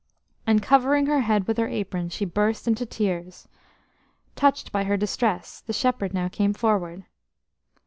And covering her head with her apron, she burst into tears. Touched by her distress, the shepherd now came forward.